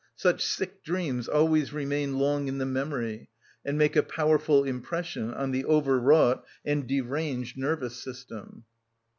Such sick dreams always remain long in the memory and make a powerful impression on the overwrought and deranged nervous system.